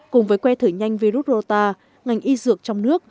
cùng với que thử nhanh virus rota ngành y dược trong nước